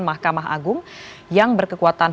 mahkamah agung yang berkekuatan